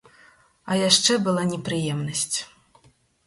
А яшчэ была непрыемнасць.